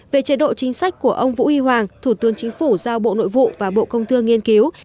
về chế độ chính sách của ông vũ huy hoàng thủ tướng chính phủ giao bộ nội vụ và bộ công thương nghiên cứu